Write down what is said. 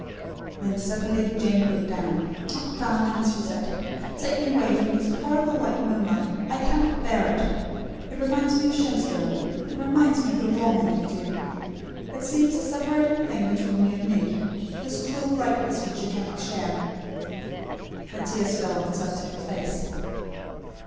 Then, suddenly, Jane broke down. "Ah, darling," she said, "take me away from this horrible white moonlight! I cannot bear it. It reminds me of Shenstone. It reminds me of the wrong I did you. It seems a separating thing between you and me this cruel brightness which you cannot share." Her tears fell on his upturned fate.